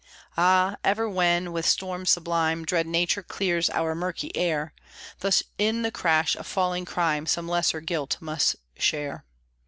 Ah, ever when with storm sublime Dread Nature clears our murky air, Thus in the crash of falling crime Some lesser guilt must share.